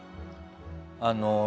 あの。